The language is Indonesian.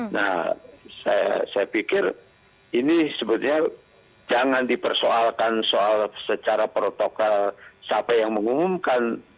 nah saya pikir ini sebetulnya jangan dipersoalkan soal secara protokol siapa yang mengumumkan